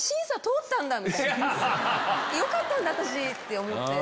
よかったんだ私！って思って。